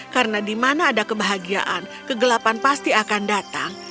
karena di mana ada kebahagiaan kegelapan pasti akan datang